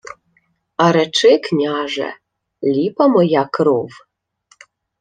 — А речи, княже: ліпа моя кров?